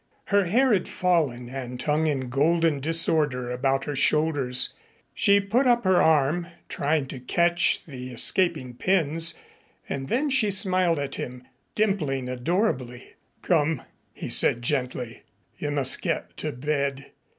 Her hair had fallen and hung in golden disorder about her shoulders. She put up her arm, trying to catch the escaping pins, and then she smiled at him, dimpling adorably. "Come," he said gently. "You must get to bed.